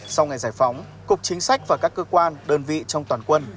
sau ngày giải phóng cục chính sách và các cơ quan đơn vị trong toàn quân